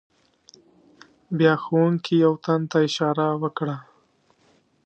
بیا ښوونکي یو تن ته اشاره وکړه.